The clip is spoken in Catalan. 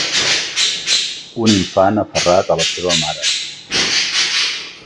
Un infant aferrat a la seva mare.